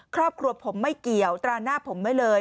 ครอบครัวผมไม่เกี่ยวตราหน้าผมไว้เลย